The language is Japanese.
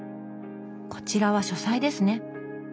こちらは書斎ですね。